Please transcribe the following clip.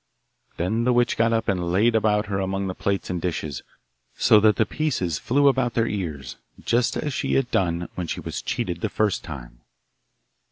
Then the witch got up and laid about her among the plates and dishes, so that the pieces flew about their ears, just as she had done when she was cheated the first time.